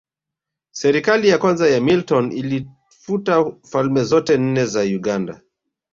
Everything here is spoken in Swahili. Serikali ya kwanza ya Milton Obote ilifuta falme zote nne za Uganda